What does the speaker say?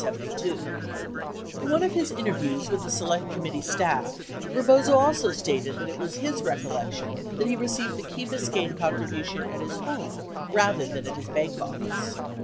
62 In one of his interviews with the Select Committee staff, Bebozo also stated that it was his recollection that he received the Key Biscayne contribution at his home rather than at his bank office.